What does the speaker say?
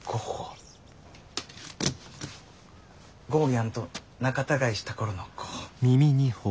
ゴーギャンと仲たがいした頃のゴッホ。